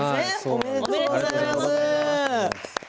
おめでとうございます。